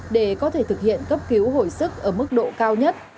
để có thể thực hiện cấp cứu hồi sức ở mức độ cao nhất